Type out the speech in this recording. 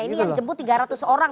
ini yang jemput tiga ratus orang